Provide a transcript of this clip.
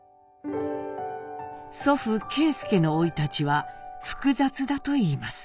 祖父啓介の生い立ちは複雑だといいます。